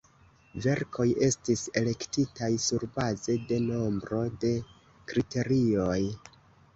Verkoj estis elektitaj surbaze de nombro de kriterioj.